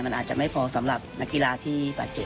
มันอาจจะไม่พอสำหรับนักกีฬาที่บาดเจ็บ